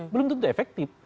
belum tentu efektif